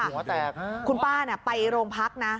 หัวแตกคุณป้าไปโรงพักนะ